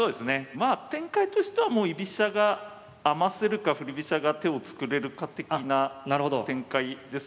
まあ展開としてはもう居飛車が余せるか振り飛車が手を作れるか的な展開ですよね。